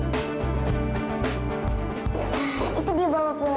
itu dia bawa pulang